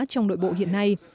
trong nội bộ hiện nay